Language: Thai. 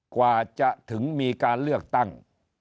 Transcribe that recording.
กว่าจะถึงมีการเลือกตั้ง